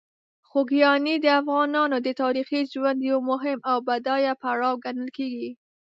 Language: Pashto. خوږیاڼي د افغانانو د تاریخي ژوند یو مهم او بډایه پړاو ګڼل کېږي.